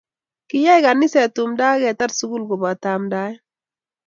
Kiyay kaniset tumdo ab ketar sukul kobato amndaet